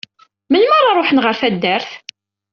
Melmi ara ruḥen ɣer taddart?